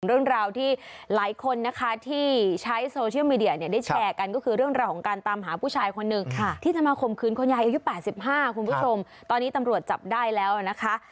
เรื่องราวที่หลายคนนะคะที่ใช้โซเชียลมีเดียเนี่ยได้แชร์กันก็คือเรื่องราวของการตามหาผู้ชายคนหนึ่งที่จะมาข่มขืนคุณยายอายุ๘๕คุณผู้ชมตอนนี้ตำรวจจับได้แล้วนะคะ